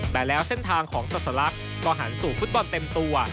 แต่แล้วเส้นทางของสัสลักษณ์ก็หันสู่ฟุตบอลเต็มตัว